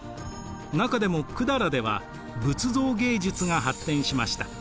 中でも百済では仏像芸術が発展しました。